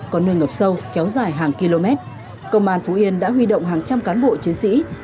có nơi ngập sâu kéo dài hàng km công an phú yên đã huy động hàng trăm cán bộ chiến sĩ